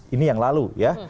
ini yang lalu ya